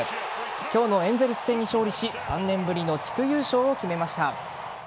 今日のエンゼルス戦に勝利し３年ぶりの地区優勝を決めました。